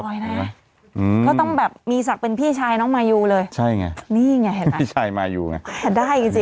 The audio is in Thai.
อืมก็ต้องแบบมีศักดิ์เป็นพี่ชายน้องมายูเลยใช่ไงนี่ไงเห็นไหมพี่ชายมายูไงได้จริงสิ